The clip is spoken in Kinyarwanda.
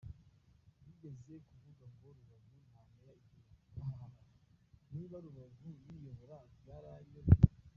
Yigeze kuvuga ngo Rubavu nta mayor igira ,hahahahaah ,niba rubavu yiyobora byaranyobeye.